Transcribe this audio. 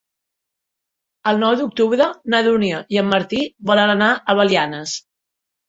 El nou d'octubre na Dúnia i en Martí volen anar a Belianes.